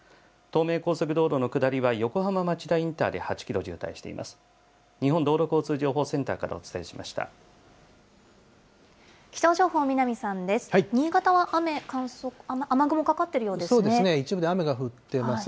東名高速道路の下りは横浜町田インターで８キロ渋滞しています。